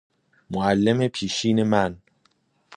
معلم پیشین من